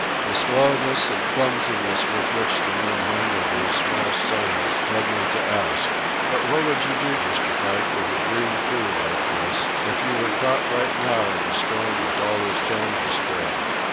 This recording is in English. The slowness and clumsiness with which the men handled these small sails led me to ask: "But what would you do, Mr. Pike, with a green crew like this, if you were caught right now in a storm with all this canvas spread?"